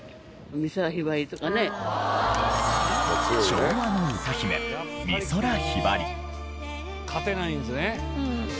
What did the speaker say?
昭和の歌姫勝てないんですね。